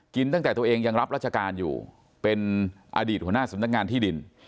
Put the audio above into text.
ตั้งแต่ตัวเองยังรับราชการอยู่เป็นอดีตหัวหน้าสำนักงานที่ดิน